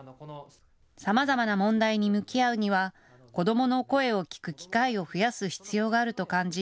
さまざまな問題に向き合うには子どもの声を聴く機会を増やす必要があると感じ